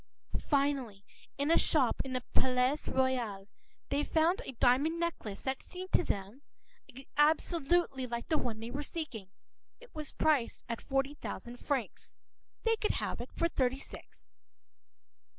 p>In a shop in the Palais Royal, they found a diamond necklace that seemed to them absolutely like the one they were seeking. It was priced forty thousand francs. They could have it for thirty six.